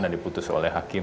dan diputus oleh hakim